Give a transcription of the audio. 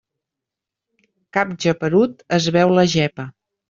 Cap geperut es veu la gepa.